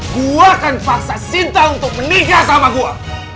gue akan paksa cinta untuk menikah sama gue